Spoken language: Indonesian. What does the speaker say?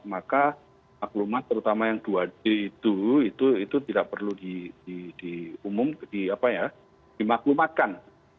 maka maklumat terutama yang dua d itu tidak perlu dimaklumatkan